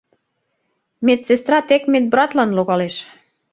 Медсестра тек медбратлан логалеш.